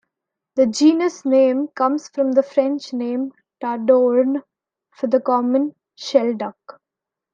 The genus name comes from the French name "Tadorne" for the common shelduck.